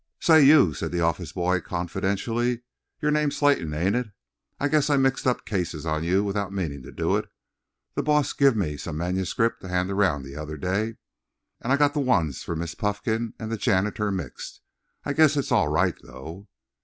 '" "Say, you!" said the office boy confidentially, "your name's Slayton, ain't it? I guess I mixed cases on you without meanin' to do it. The boss give me some manuscript to hand around the other day and I got the ones for Miss Puffkin and the janitor mixed. I guess it's all right, though."